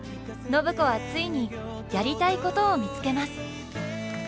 暢子はついにやりたいことを見つけます。